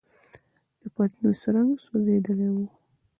د پتنوس رنګ سوځېدلی و.